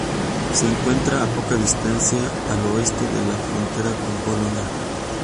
Se encuentra a poca distancia al oeste de la frontera con Polonia.